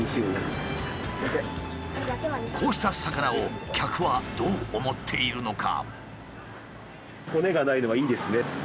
こうした魚を客はどう思っているのか？